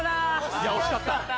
いや惜しかった。